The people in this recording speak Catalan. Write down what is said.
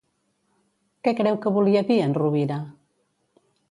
Que creu que volia dir en Rubira?